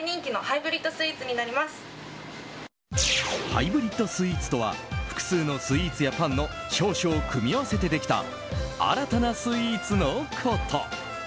ハイブリッドスイーツとは複数のスイーツやパンの長所を組み合わせてできた新たなスイーツのこと。